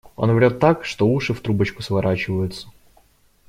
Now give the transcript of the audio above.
Он врёт так, что уши в трубочку сворачиваются.